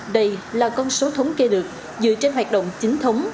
đây là con số thống kê được dựa trên hoạt động chính thống